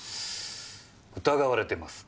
疑われてます。